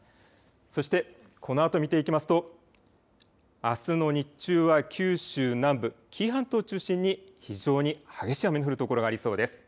そして、このあと見ていきますと、あすの日中は九州南部、紀伊半島を中心に非常に激しい雨の降る所がありそうです。